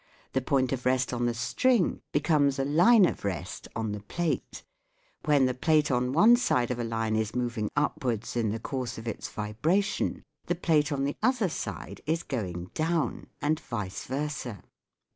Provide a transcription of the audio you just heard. The point of rest on the string becomes a line of rest on the plate : when the plate on one side of a line is moving upwards in the course of its vibration, the plate on the other side is going down, and vice versa.